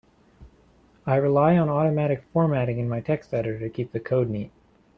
I rely on automatic formatting in my text editor to keep the code neat.